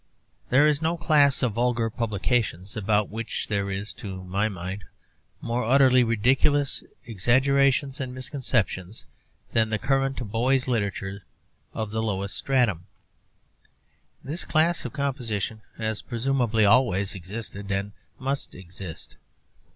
There is no class of vulgar publications about which there is, to my mind, more utterly ridiculous exaggeration and misconception than the current boys' literature of the lowest stratum. This class of composition has presumably always existed, and must exist.